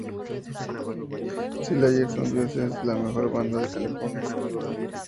Slayer son dioses, la mejor banda de California, sin duda".